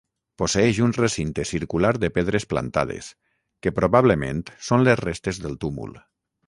Posseeix un recinte circular de pedres plantades, que probablement són les restes del túmul.